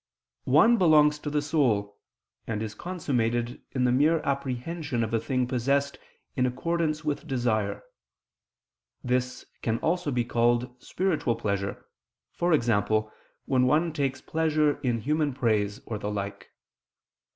One belongs to the soul, and is consummated in the mere apprehension of a thing possessed in accordance with desire; this can also be called spiritual pleasure, e.g. when one takes pleasure in human praise or the like.